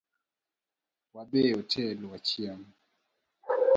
Wadhii e hotel wachiem